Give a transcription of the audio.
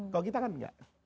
kalau kita kan tidak